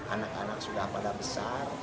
anak anak sudah pada besar